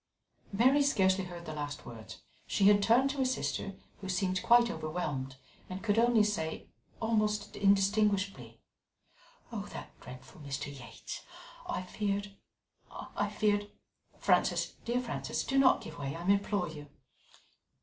Mary scarcely heard the last words; she had turned to her sister, who seemed quite overwhelmed and could only say, almost indistinguishably: "That dreadful Mr. Yates! I feared I feared " "Frances, dear Frances, do not give way, I implore you.